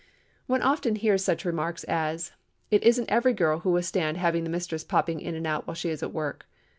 One often hears such remarks as, "It isn't every girl who will stand having the mistress popping in and out while she is at work."